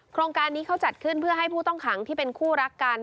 โครงการนี้เขาจัดขึ้นเพื่อให้ผู้ต้องขังที่เป็นคู่รักกัน